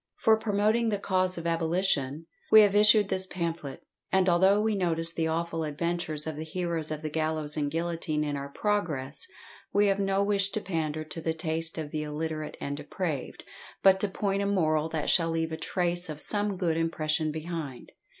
For promoting the cause of abolition, we have issued this pamphlet, and although we notice the awful adventures of the heroes of the gallows and guillotine in our progress, we have no wish to pander to the taste of the illiterate and depraved, but to point a moral that shall leave a trace of some good impression behind.